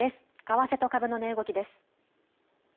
為替と株の値動きです。